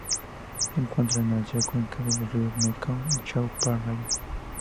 Se encuentran en Asia: cuencas de los ríos Mekong y Chao Phraya.